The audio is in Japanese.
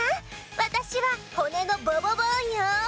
わたしは骨のボボボーンよ！